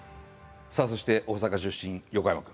さあそして大阪出身横山君。